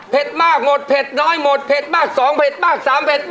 มากหมดเผ็ดน้อยหมดเผ็ดมาก๒เผ็ดมาก๓เผ็ดมาก